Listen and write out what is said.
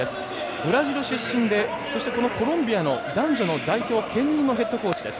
ブラジル出身で、そしてこのコロンビアの男女の兼任のヘッドコーチです。